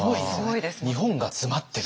日本が詰まってる。